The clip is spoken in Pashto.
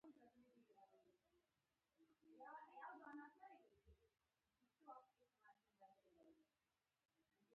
یوازې اقتصادي ګټې نه بلکې سیاسي قدرت هم خوندي نه و